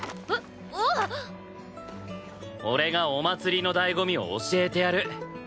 俺がお祭りの醍醐味を教えてやる。